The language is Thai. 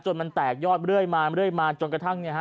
จนมันแตกยอดเรื่อยมาจนกระทั่งนี้